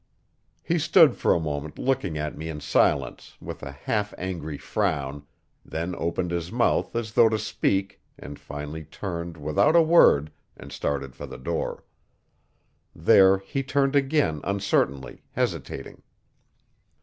He stood for a moment looking at me in silence with a half angry frown, then opened his mouth as though to speak, and finally turned, without a word, and started for the door. There he turned again uncertainly, hesitating.